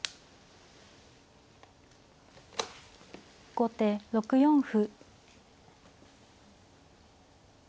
後手６四歩。